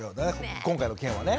今回の件はね。